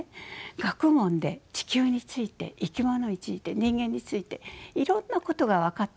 学問で地球について生き物について人間についていろんなことが分かってきました。